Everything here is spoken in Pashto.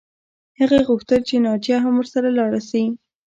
هغې غوښتل چې ناجیه هم ورسره لاړه شي